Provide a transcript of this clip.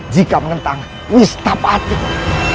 jika menentang mistafatiku